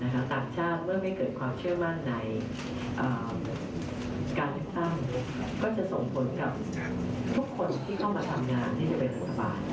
ต่างชาติเมื่อไม่เกิดความเชื่อมั่นในการเลือกตั้งก็จะส่งผลกับทุกคนที่เข้ามาทำงานที่จะเป็นรัฐบาล